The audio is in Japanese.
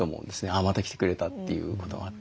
あまた来てくれたということがあって。